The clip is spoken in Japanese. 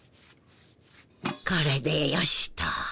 これでよしと。